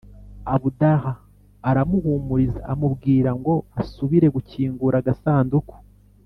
abdallah aramuhumuriza amubwira ngo asubire gukingura agasanduku.